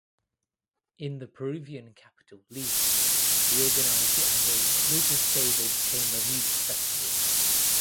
In the Peruvian capital Lima he organised the annual "Lukas David Chamber Music Festival".